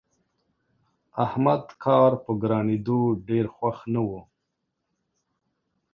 احمد کار په ګرانېدو ډېر خوښ نه وو.